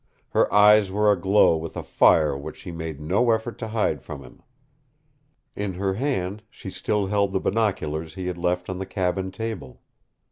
Her eyes were aglow with a fire which she made no effort to hide from him. In her hand she still held the binoculars he had left on the cabin table.